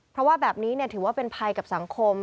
เพราะว่าแบบนี้ถือว่าเป็นภัยกับสังคม